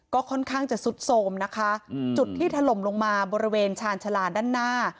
ก็ค่อนข้างจะสุดโสมนะคะจุดที่ถล่มลงมาบริเวณชาญชาลาด้านหน้า